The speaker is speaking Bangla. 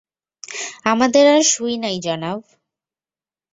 আমাদের আর সুই নাই, জনাব!